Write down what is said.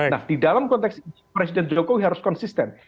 nah di dalam konteks ini presiden jokowi harus konsisten